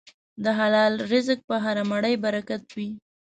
د حلال رزق په هره مړۍ برکت وي.